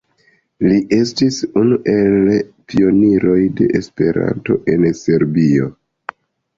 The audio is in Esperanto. Li estis unu el pioniroj de Esperanto en Siberio.